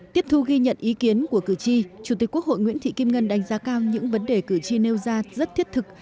tiếp thu ghi nhận ý kiến của cử tri chủ tịch quốc hội nguyễn thị kim ngân đánh giá cao những vấn đề cử tri nêu ra rất thiết thực